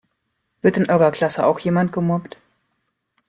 Wird in eurer Klasse auch jemand gemobbt?